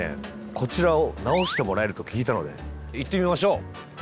こちらを直してもらえると聞いたので行ってみましょう！